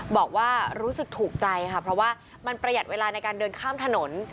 บอกว่ารู้สึกถูกใจค่ะเพราะว่ามันประหยัดเวลาในการเดินข้ามถนน